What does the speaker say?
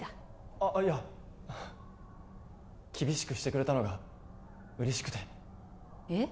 あっいや厳しくしてくれたのが嬉しくてえっ？